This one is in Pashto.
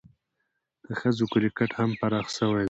د ښځو کرکټ هم پراخه سوی دئ.